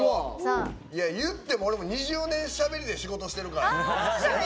言っても俺２０年しゃべりで仕事してるからな。